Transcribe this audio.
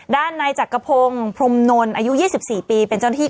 ด้านในจักรพงศ์พรมนลอายุ๒๔ปี